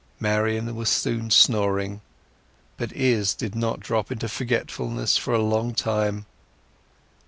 Marian was soon snoring, but Izz did not drop into forgetfulness for a long time.